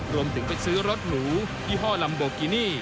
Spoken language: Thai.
รวมถึงไปซื้อรถหรูยี่ห้อลัมโบกินี่